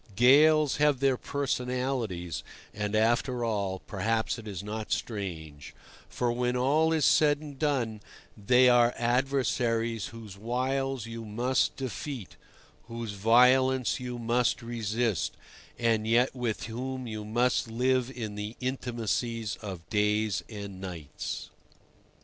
Gales have their personalities, and, after all, perhaps it is not strange; for, when all is said and done, they are adversaries whose wiles you must defeat, whose violence you must resist, and yet with whom you must live in the intimacies of nights and days.